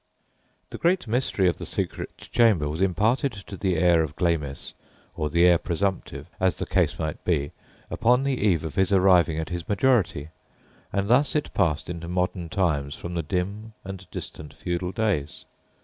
The great mystery of the secret chamber was imparted to the heir of Glamis, or the heir presumptive, as the case might be, upon the eve of his arriving at his majority, and thus it passed into modern times from the dim and distant feudal days.